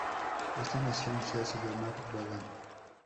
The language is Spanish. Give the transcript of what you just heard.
Esta nación se hace llamar "Vagan".